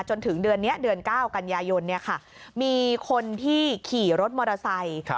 จนถึงเดือนนี้เดือน๙กันยายนมีคนที่ขี่รถมอเตอร์ไซค์